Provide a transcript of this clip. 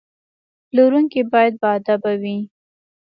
پلورونکی باید باادبه وي.